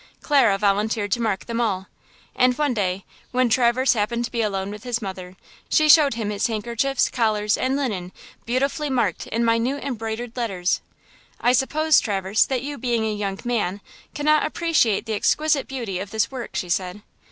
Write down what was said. Clara volunteered to mark them all. And one day, when Traverse happened to be alone with his mother, she showed him his handkerchiefs, collars and linen beautifully marked in minute embroidered letters. "I suppose, Traverse, that you, being a young man, cannot appreciate the exquisite beauty of this work," she said.